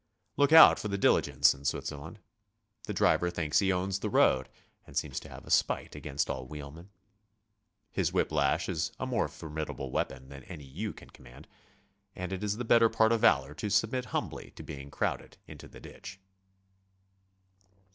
Look out for the diligence in Switzerland. The driver thinks he owns the road and seems to have a spite against all wheelmen. His whip lash is a more formidable weapon than any you can command, and it is the better part of valor to submit humbly to being crowded into the ditch.